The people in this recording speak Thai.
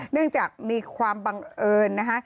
เนื่องจากมีความบังเอิญนะคะ